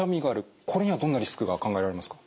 これにはどんなリスクが考えられますか？